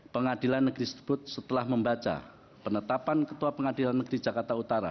pengadilan negeri sebut setelah membaca penetapan ketua pengadilan negeri jakarta utara